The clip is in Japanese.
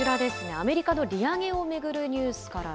アメリカの利上げを巡るニュース